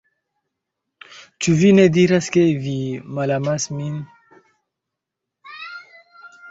Cu vi ne diras ke vi malamas min?